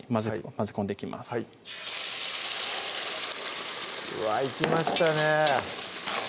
うわいきましたね